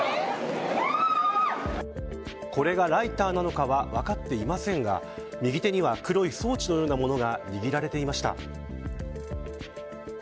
これがライターなのかは分かっていませんが右手には、黒い装置のようなものが握られていました。